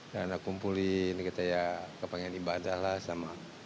dari anak kumpulin kita ya kepengen ibadah lah sama